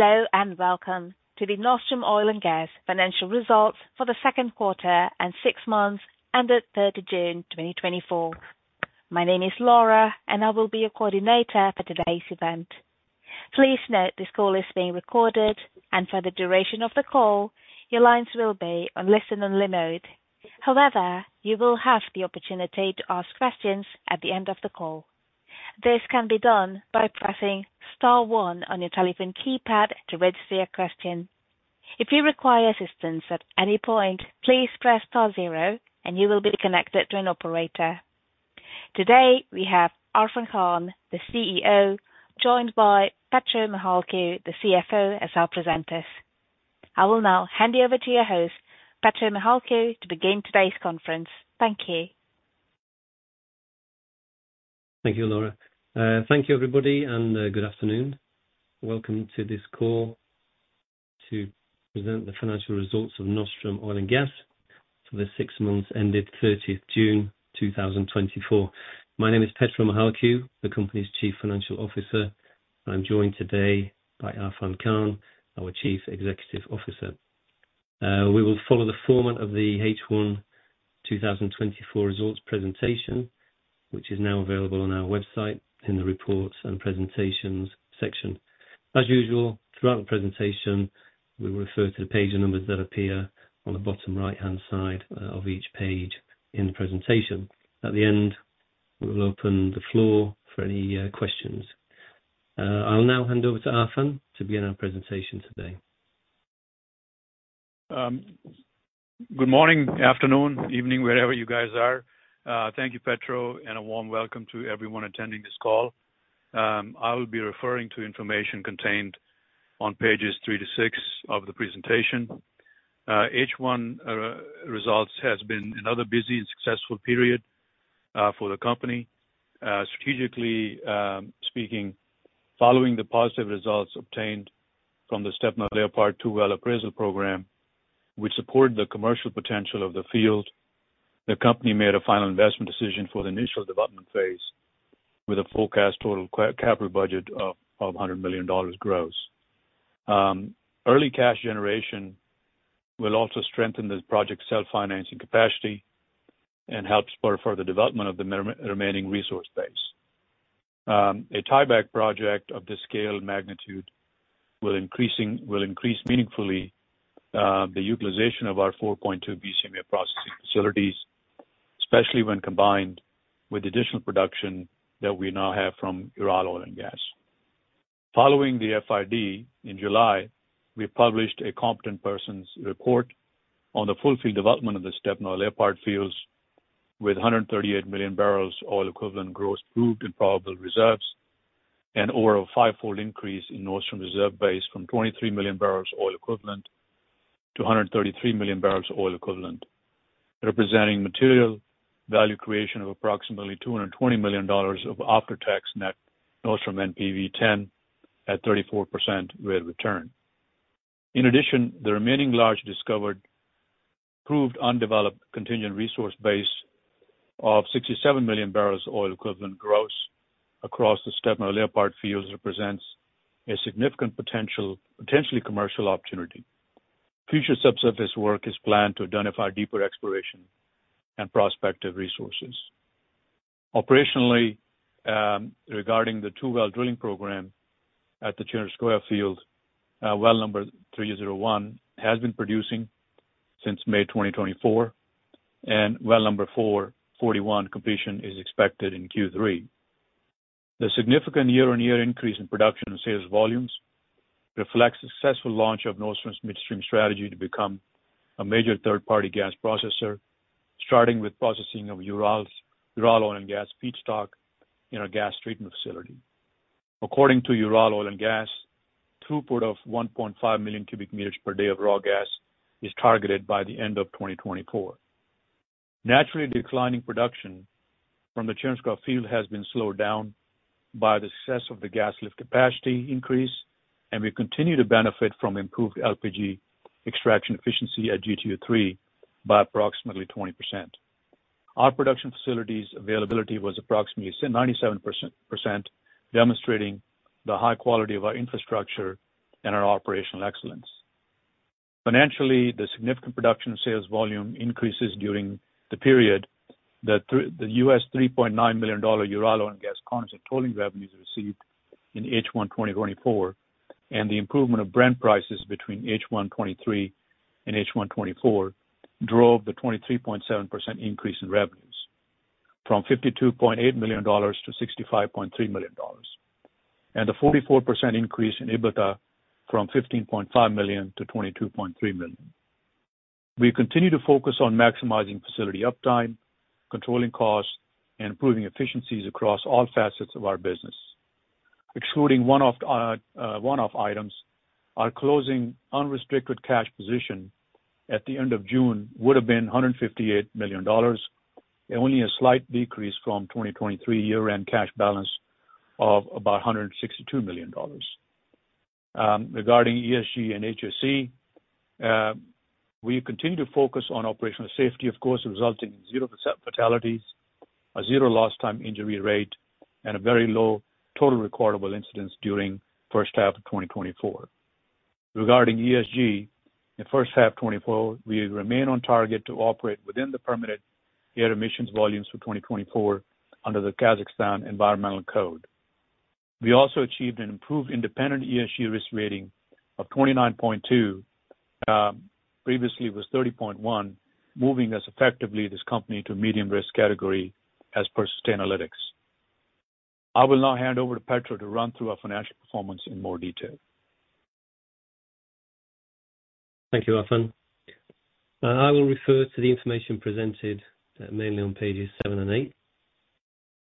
Hello, and welcome to the Nostrum Oil and Gas Financial Results for the second quarter and six months ended 30 June 2024. My name is Laura, and I will be your coordinator for today's event. Please note, this call is being recorded, and for the duration of the call, your lines will be on listen-only mode. However, you will have the opportunity to ask questions at the end of the call. This can be done by pressing star one on your telephone keypad to register your question. If you require assistance at any point, please press star zero, and you will be connected to an operator. Today, we have Arfan Khan, the CEO, joined by Petro Mychasuk, the CFO, as our presenters. I will now hand you over to your host, Petro Mychasuk, to begin today's conference. Thank you. Thank you, Laura. Thank you, everybody, and good afternoon. Welcome to this call to present the financial results of Nostrum Oil and Gas for the six months ended thirtieth June 2024. My name is Petro Mychasuk, the company's Chief Financial Officer. I'm joined today by Arfan Khan, our Chief Executive Officer. We will follow the format of the H1 2024 results presentation, which is now available on our website in the Reports and Presentations section. As usual, throughout the presentation, we'll refer to the page numbers that appear on the bottom right-hand side of each page in the presentation. At the end, we will open the floor for any questions. I'll now hand over to Arfan to begin our presentation today. Good morning, afternoon, evening, wherever you guys are. Thank you, Petro, and a warm welcome to everyone attending this call. I will be referring to information contained on pages three to six of the presentation. H1 results has been another busy and successful period for the company. Strategically speaking, following the positive results obtained from the Stepnoy Leopard Two Well Appraisal Program, which supported the commercial potential of the field, the company made a final investment decision for the initial development phase with a forecast total capital budget of $100 million gross. Early cash generation will also strengthen this project's self-financing capacity and help support further development of the remaining resource base. A tieback project of this scale and magnitude will increase meaningfully the utilization of our 4.2 BCMA processing facilities, especially when combined with additional production that we now have from Ural Oil and Gas. Following the FID in July, we published a Competent Person's Report on the full field development of the Stepnoy Leopard fields with 138 million barrels of oil equivalent gross proved and probable reserves, and over a fivefold increase in Nostrum reserve base from 23 million barrels of oil equivalent to 133 million barrels of oil equivalent, representing material value creation of approximately $220 million of after-tax net Nostrum NPV10 at 34% rate of return. In addition, the remaining large discovered proved undeveloped contingent resource base of 67 million barrels of oil equivalent gross across the Stepnoy Leopard fields represents a significant potential, potentially commercial opportunity. Future subsurface work is planned to identify deeper exploration and prospective resources. Operationally, regarding the two well drilling program at the Chinarevskoye field, well number 301 has been producing since May 2024, and well number 441 completion is expected in Q3. The significant year-on-year increase in production and sales volumes reflects successful launch of Nostrum's midstream strategy to become a major third-party gas processor, starting with processing of Ural Oil and Gas feedstock in our gas treatment facility. According to Ural Oil and Gas, throughput of 1.5 million cubic meters per day of raw gas is targeted by the end of 2024. Naturally, declining production from the Chinarevskoye field has been slowed down by the success of the gas lift capacity increase, and we continue to benefit from improved LPG extraction efficiency at GTU-3 by approximately 20%. Our production facilities availability was approximately 97%, demonstrating the high quality of our infrastructure and our operational excellence. Financially, the significant production sales volume increases during the period that the $3.9 million Ural Oil and Gas condensate tolling revenues received in H1 2024, and the improvement of Brent prices between H1 2023 and H1 2024 drove the 23.7% increase in revenues from $52.8 million-$65.3 million, and a 44% increase in EBITDA from $15.5 million-$22.3 million. We continue to focus on maximizing facility uptime, controlling costs, and improving efficiencies across all facets of our business. Excluding one-off items, our closing unrestricted cash position at the end of June would have been $158 million, only a slight decrease from 2023 year-end cash balance of about $162 million. Regarding ESG and HSE, we continue to focus on operational safety, of course, resulting in 0% fatalities, a zero lost time injury rate and a very low total recordable incident during first half of 2024. Regarding ESG, in first half 2024, we remain on target to operate within the permitted air emissions volumes for 2024 under the Kazakhstan Environmental Code. We also achieved an improved independent ESG risk rating of 29.2, previously it was 30.1, moving us effectively, this company, to medium risk category as per Sustainalytics. I will now hand over to Petro to run through our financial performance in more detail. Thank you, Arfan. I will refer to the information presented mainly on pages seven and eight.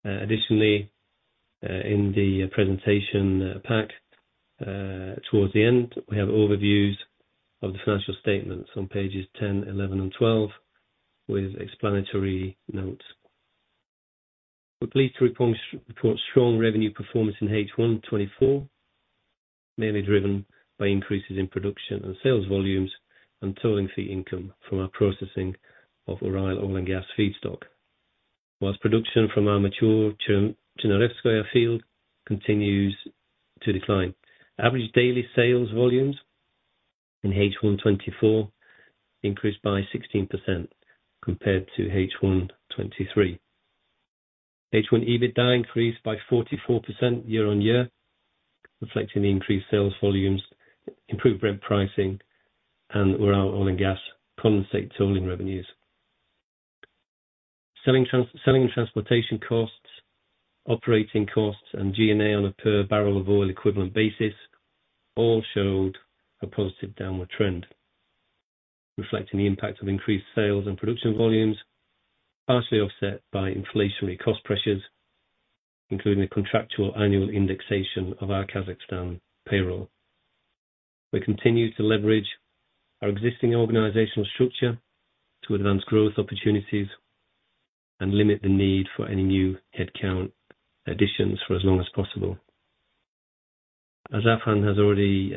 Additionally, in the presentation pack, towards the end, we have overviews of the financial statements on pages 10, 11, and 12, with explanatory notes. We're pleased to report strong revenue performance in H1 2024, mainly driven by increases in production and sales volumes and tolling fee income from our processing of Ural Oil and Gas feedstock. While production from our mature asset, Chinarevskoye field continues to decline. Average daily sales volumes in H1 2024 increased by 16% compared to H1 2023. H1 EBITDA increased by 44% year-on-year, reflecting the increased sales volumes, improved Brent pricing, and Ural Oil and Gas condensate tolling revenues. Selling and transportation costs, operating costs, and G&A on a per barrel of oil equivalent basis, all showed a positive downward trend, reflecting the impact of increased sales and production volumes, partially offset by inflationary cost pressures, including the contractual annual indexation of our Kazakhstan payroll. We continue to leverage our existing organizational structure to advance growth opportunities and limit the need for any new headcount additions for as long as possible. As Arfan has already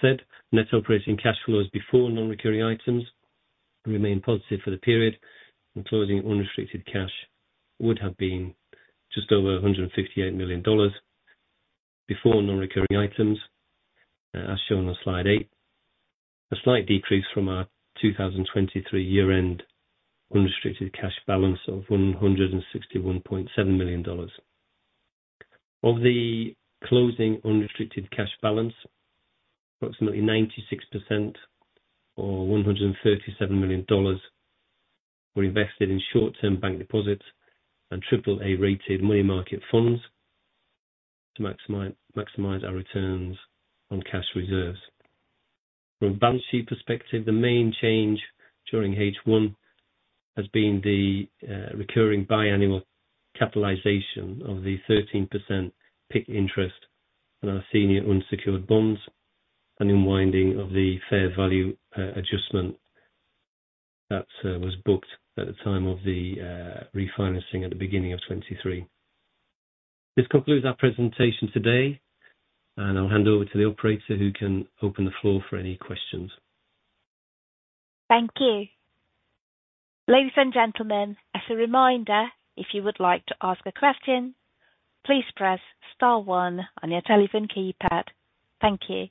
said, net operating cash flows before non-recurring items remain positive for the period, and closing unrestricted cash would have been just over $158 million before non-recurring items, as shown on slide eight. A slight decrease from our 2023 year-end unrestricted cash balance of $161.7 million. Of the closing unrestricted cash balance, approximately 96% or $137 million were invested in short-term bank deposits and AAA-rated money market funds to maximize our returns on cash reserves. From a balance sheet perspective, the main change during H1 has been the recurring biannual capitalization of the 13% PIK interest on our senior unsecured bonds and unwinding of the fair value adjustment that was booked at the time of the refinancing at the beginning of 2023. This concludes our presentation today, and I'll hand over to the operator, who can open the floor for any questions. Thank you. Ladies and gentlemen, as a reminder, if you would like to ask a question, please press star one on your telephone keypad. Thank you.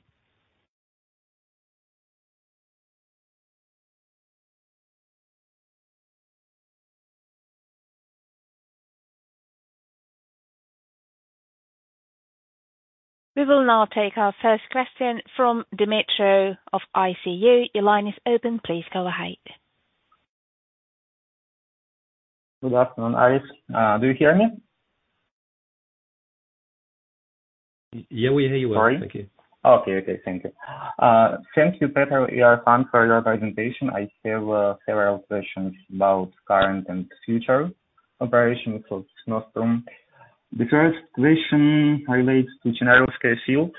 We will now take our first question from Dmytro of ICU. Your line is open. Please go ahead. Good afternoon, Arfan. Do you hear me? Yeah, we hear you well. Thank you. Okay. Thank you. Thank you, Petro and Arfan, for your presentation. I have several questions about current and future operations of Nostrum. The first question relates to Chinarevskoye field.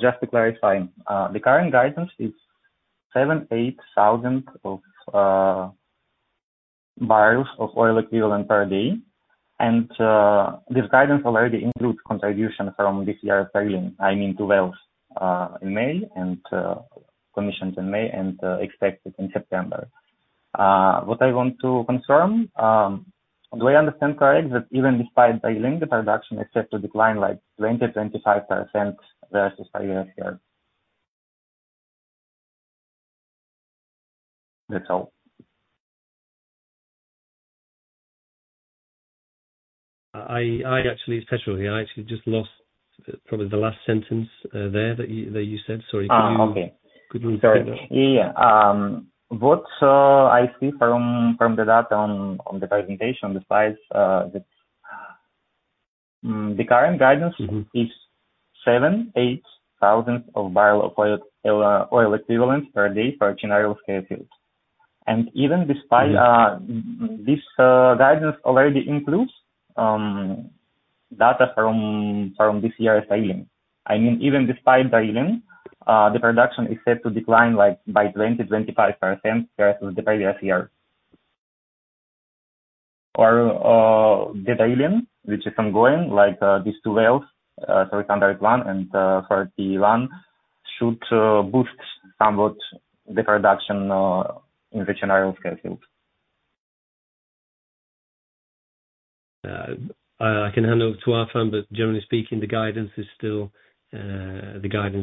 Just to clarify, the current guidance is 7,000-8,000 barrels of oil equivalent per day. This guidance already includes contribution from this year's drilling, I mean, two wells in May, and commissions in May and expected in September. What I want to confirm, do I understand correct, that even despite the production expected to decline like 20-25% versus last year? That's all. I actually, Petro, I actually just lost probably the last sentence there that you said. Sorry. Ah, okay. Could you say that? Yeah. What I see from the data on the presentation on the slides that the current guidance is 7-8 thousand barrels of oil equivalent per day for Chinarevskoye field. And even despite this guidance already includes data from this year's drilling. I mean, even despite drilling the production is set to decline like by 20-25% versus the previous year. Or the drilling which is ongoing like these two wells 301 and 441 should boost somewhat the production in the Chinarevskoye field? I can hand over to Arfan, but generally speaking, the guidance is still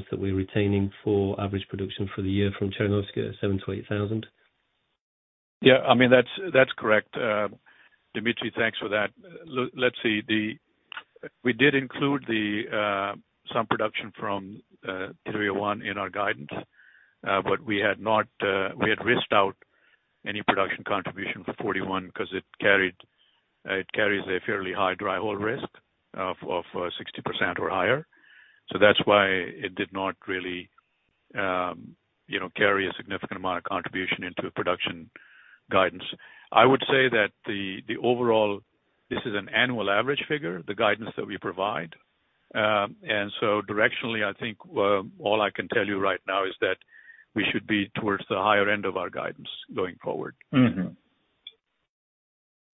that we're retaining for average production for the year from Chinarevskoye, 7,000-8,000. Yeah, I mean, that's, that's correct. Dmytro, thanks for that. Let's see, we did include some production from 301 in our guidance, but we had not, we had risked out any production contribution for 441, 'cause it carried, it carries a fairly high dry hole risk of 60% or higher. So that's why it did not really, you know, carry a significant amount of contribution into production guidance. I would say that the overall, this is an annual average figure, the guidance that we provide. And so directionally, I think, all I can tell you right now is that we should be towards the higher end of our guidance going forward. Mm-hmm.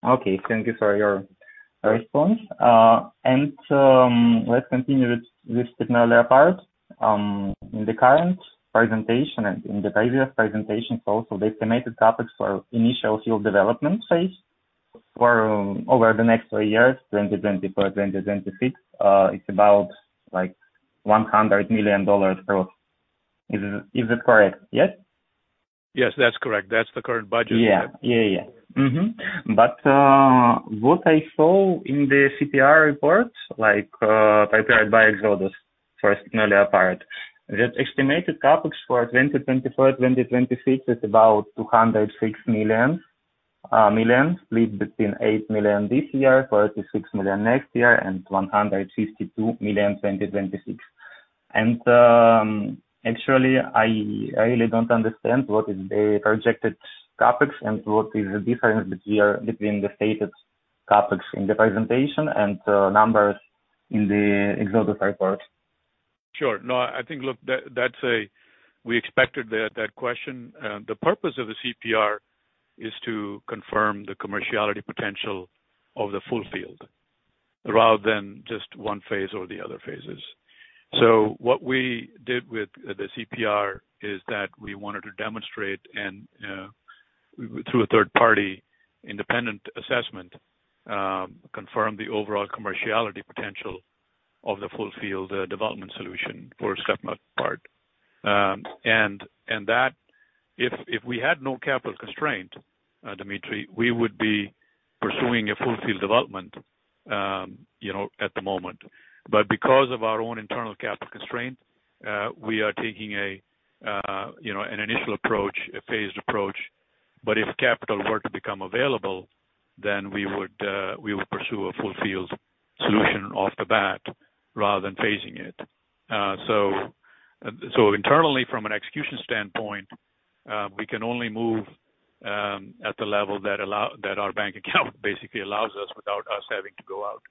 Okay. Thank you for your response. And, let's continue with the earlier part. In the current presentation and in the previous presentations also, the estimated topics for initial field development phase for over the next three years, 2024, 2026, it's about, like, $100 million dollars growth. Is it correct? Yes? Yes, that's correct. That's the current budget. Yeah. Mm-hmm. But what I saw in the CPR report, like, prepared by Xodus for the estimated CapEx for 2024-2026 is about 206 million, split between 8 million this year, 36 million next year, and 152 million in 2026. And actually, I really don't understand what is the projected CapEx and what is the difference between the stated CapEx in the presentation and numbers in the Xodus report? Sure. No, I think, look, that's a question we expected. The purpose of the CPR is to confirm the commerciality potential of the full field, rather than just one phase or the other phases. So what we did with the CPR is that we wanted to demonstrate and through a third party, independent assessment, confirm the overall commerciality potential of the full field development solution, and that if we had no capital constraint, Dmytro, we would be pursuing a full field development, you know, at the moment. But because of our own internal capital constraint, we are taking, you know, an initial approach, a phased approach, but if capital were to become available, then we would pursue a full field solution off the bat rather than phasing it. So internally, from an execution standpoint, we can only move at the level that our bank account basically allows us, without us having to go out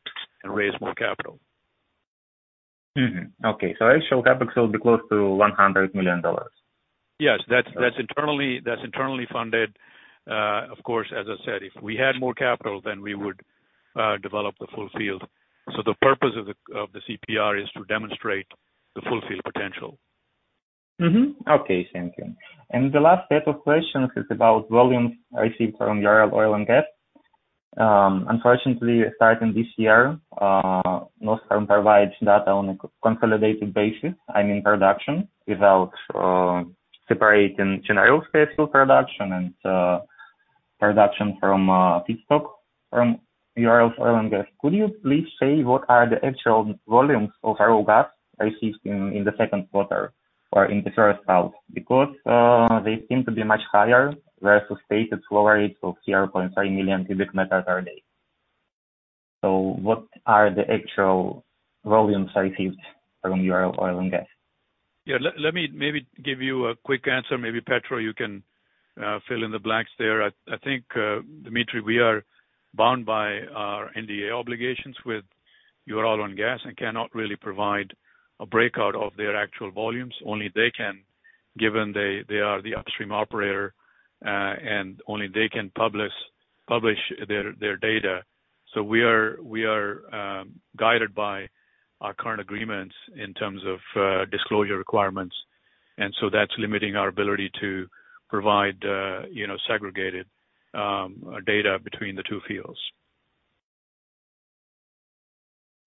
and raise more capital. Okay, so actual CapEx will be close to $100 million? Yes. That's internally funded. Of course, as I said, if we had more capital, then we would develop the full field. So the purpose of the CPR is to demonstrate the full field potential. Okay, thank you. The last set of questions is about volumes received from Ural Oil and Gas. Unfortunately, starting this year, Nostrum provides data on a consolidated basis, and in production, without separating general space flow production and production from feedstock from Ural Oil and Gas. Could you please say what are the actual volumes of oil gas received in the second quarter or in the first half? Because they seem to be much higher versus stated flow rate of 0.5 million cubic meters per day. What are the actual volumes received from Ural Oil and Gas? Yeah. Let me maybe give you a quick answer. Maybe, Petro, you can fill in the blanks there. I think, Dmytro, we are bound by our NDA obligations with Ural Oil and Gas and cannot really provide a breakout of their actual volumes. Only they can, given they are the upstream operator, and only they can publish their data. So we are guided by our current agreements in terms of disclosure requirements, and so that's limiting our ability to provide, you know, segregated data between the two fields.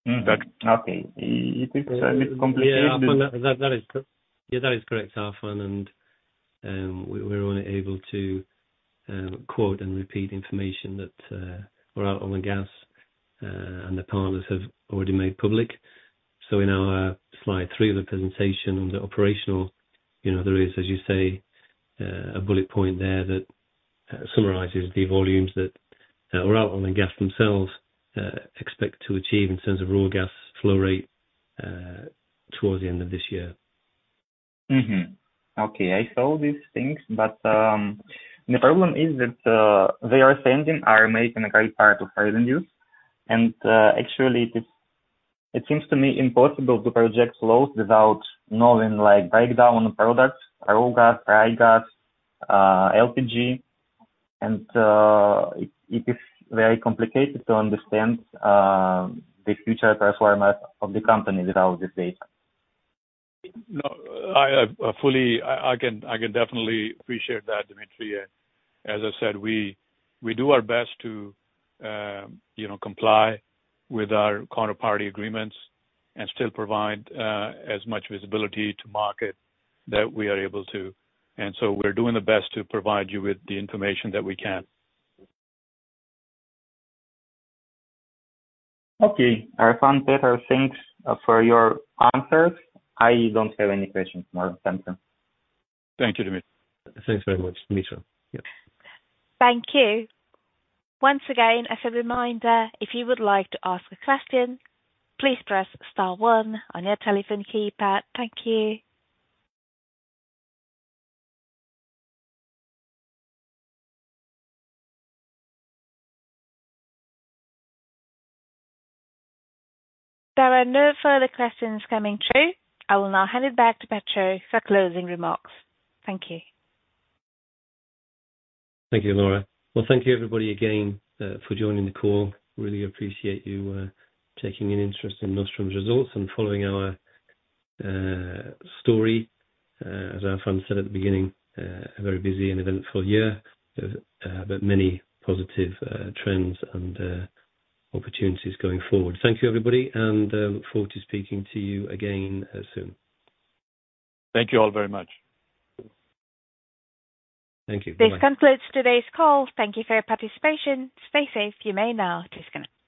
Okay. It is a bit complicated. Yeah, that is correct, Arfan, and we're only able to quote and repeat information that Ural Oil and Gas and the partners have already made public. So in our slide three of the presentation, on the operational, you know, there is, as you say, a bullet point there that summarizes the volumes that Ural Oil and Gas themselves expect to achieve in terms of raw gas flow rate towards the end of this year. Okay, I saw these things, but, the problem is that, they are sending, are making a great part of revenues. And, actually, it is, it seems to me impossible to project flows without knowing, like, breakdown products, raw gas, dry gas, LPG, and, it, it is very complicated to understand, the future performance of the company without this data. No, I fully appreciate that, Dmytro. And as I said, we do our best to, you know, comply with our counterparty agreements and still provide as much visibility to market that we are able to. And so we're doing the best to provide you with the information that we can. Okay, Arfan, Petro, thanks for your answers. I don't have any questions now. Thank you. Thank you, Dmytro. Thanks very much, Dmytro. Yep. Thank you. Once again, as a reminder, if you would like to ask a question, please press star one on your telephone keypad. Thank you. There are no further questions coming through. I will now hand it back to Petro for closing remarks. Thank you. Thank you, Laura. Well, thank you, everybody, again, for joining the call. Really appreciate you taking an interest in Nostrum's results and following our story. As Arfan said at the beginning, a very busy and eventful year, but many positive trends and opportunities going forward. Thank you, everybody, and look forward to speaking to you again soon. Thank you all very much. Thank you. Bye-bye. This concludes today's call. Thank you for your participation. Stay safe. You may now disconnect.